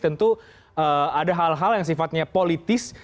tentu ada hal hal yang sifatnya politis